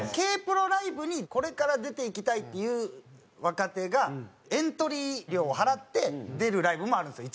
Ｋ−ＰＲＯライブにこれから出ていきたいっていう若手がエントリー料を払って出るライブもあるんですよ